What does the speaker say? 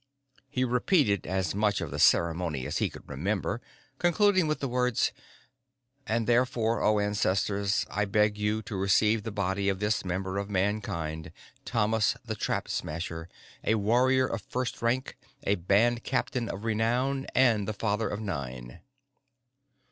He repeated as much of the ceremony as he could remember, concluding with the words: "_And therefore, O ancestors, I beg you to receive the body of this member of Mankind, Thomas the Trap Smasher, a warrior of the first rank, a band captain of renown and the father of nine.